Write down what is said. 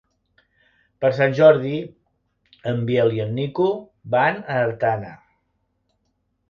Per Sant Jordi en Biel i en Nico van a Artana.